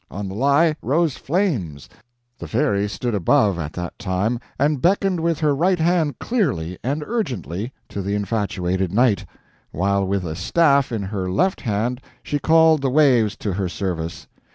On the Lei rose flames, the Fairy stood above, at that time, and beckoned with her right hand clearly and urgently to the infatuated Knight, while with a staff in her left hand she called the waves to her service.